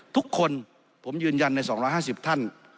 ทุกคนผมยืนยันใน๒๕๐ท่าน